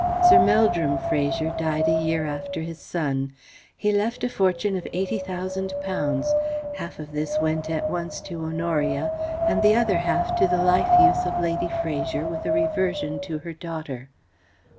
Sir Meldrum Fraser died a year after his son. He left a fortune of eighty thousand pounds. Half of this went at once to Honoria and the other half to the life use of Lady Fraser with a reversion to her daughter.